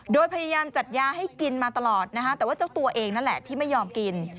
โดยพยายามจัดยาให้กินมาตลอดนะฮะแต่ว่าเจ้าตัวเองนั่นแหละที่ไม่ยอมกิน